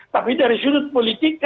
tapi dari sudut politik